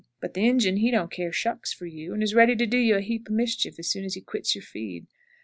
But the Injun he don't care shucks for you, and is ready to do you a heap of mischief as soon as he quits your feed.